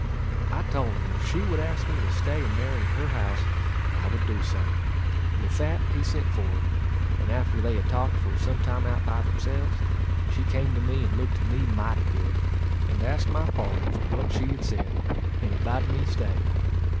I told him if she would ask me to stay and marry at her house, I would do so. With that he sent for her, and after they had talked for some time out by themselves, she came to me and looked at me mighty good, and asked my pardon for what she had said, and invited me stay.